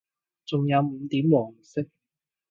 仲有五點黃色